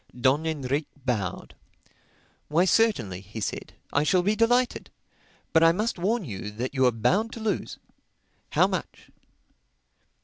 Don Enrique bowed. "Why certainly," he said, "I shall be delighted. But I must warn you that you are bound to lose. How much?"